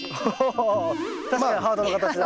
お確かにハートの形だ。